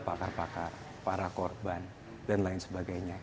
pakar pakar para korban dan lain sebagainya